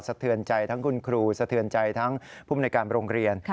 เทือนใจทั้งคุณครูสะเทือนใจทั้งภูมิในการโรงเรียน